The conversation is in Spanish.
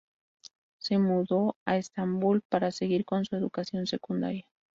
Se mudó a Estambul para seguir con su educación secundaria.